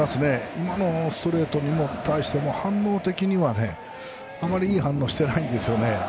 今のストレートに対しても反応的にはあまりいい反応をしてないんです。